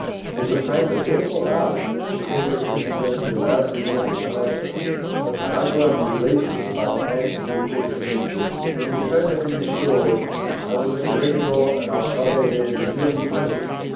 The Suprema therefore asked that the senior inquisitor be allowed to return to Toledo, that Paniagua be released by the hands of the inquisitors, that his cocoa be restored and that the corregidor and alcalde mayor be duly punished.